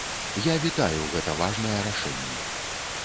Я вітаю гэта важнае рашэнне.